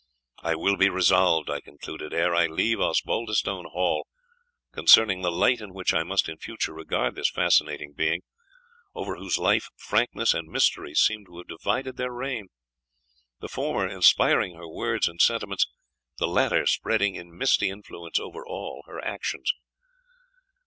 I will be resolved, I concluded, ere I leave Osbaldistone Hall, concerning the light in which I must in future regard this fascinating being, over whose life frankness and mystery seem to have divided their reign, the former inspiring her words and sentiments the latter spreading in misty influence over all her actions.